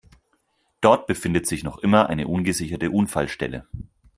Dort befindet sich noch immer eine ungesicherte Unfallstelle.